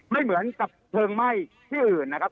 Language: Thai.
ไม่เหมือนกับเพลิงไหม้ที่อื่นนะครับ